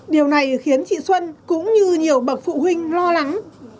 điều này khiến chị xuân cũng như nhiều bậc phụ huynh lo lắng